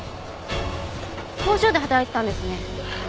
工場で働いてたんですね。